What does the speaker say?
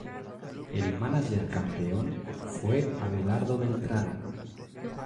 El mánager campeón fue Abelardo Beltrán.